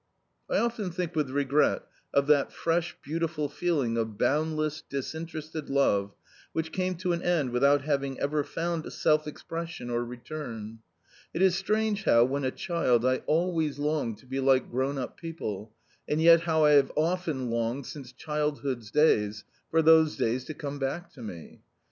I often think with regret of that fresh, beautiful feeling of boundless, disinterested love which came to an end without having ever found self expression or return. It is strange how, when a child, I always longed to be like grown up people, and yet how I have often longed, since childhood's days, for those days to come back to me!